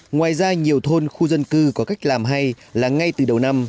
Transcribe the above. ngoài ra nhiều thôn khu dân cư có cách làm hay là ngay từ đầu năm